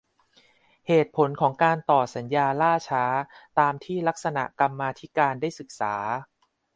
เหตุผลของการต่อสัญญาล่าช้า ตามที่คณะกรรมาธิการได้ศึกษา